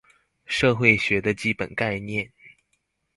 社會學的基本概念